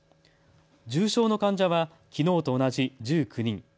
重症の患者はきのうと同じ１９人。